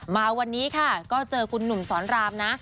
มาวันนี้ค่ะก็เจอคุณหนุ่มสอนรามนะ